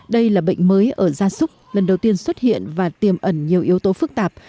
đây là bệnh mới ở da súc lần đầu tiên xuất hiện và tiềm ẩn nhiều yếu tố phức tạp